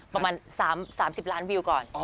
ประมาณ๓๐ล้านวิวก่อน